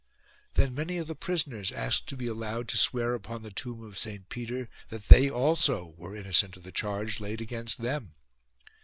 Then many of the prisoners asked to be allowed to swear upon the tomb of St Peter that they also were innocent of the charge laid against them.